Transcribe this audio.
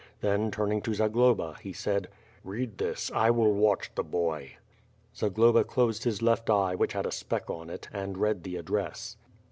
Then turning to Zagloba, he said: "Read this, I will watch the boy." Zagloba closed his left eye which had a speck on it, and read the address.